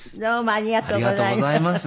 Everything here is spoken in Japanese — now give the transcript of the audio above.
ありがとうございます。